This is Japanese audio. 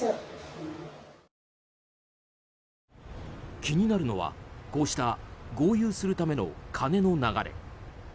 気になるのは、こうした豪遊するための金の流れ。